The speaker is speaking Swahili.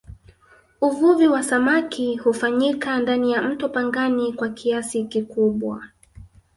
uvuvi wa samaki hufanyika ndani ya mto pangani kwa kiasi kikubwa